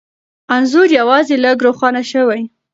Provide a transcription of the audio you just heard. انځور یوازې لږ روښانه شوی،